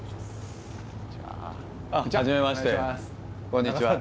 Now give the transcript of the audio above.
こんにちは！